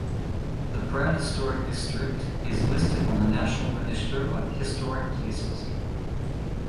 The Pratt Historic District is listed on the National Register of Historic Places.